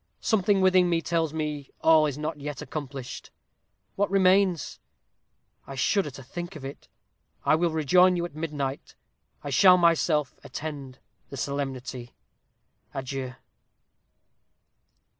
Something within tells me all is not yet accomplished. What remains? I shudder to think of it. I will rejoin you at midnight. I shall myself attend the solemnity. Adieu!"